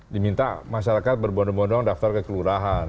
diminta masyarakat berbondong bondong daftar kekelurahan